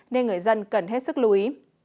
nên người dân cần hết sức lưu ý